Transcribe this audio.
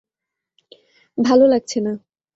ভালো লাগছে না।